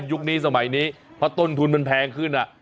ยุคนี้สมัยนี้เพราะต้นทุนมันแพงขึ้น